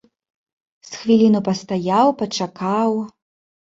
З хвіліну пастаяў, пачакаў.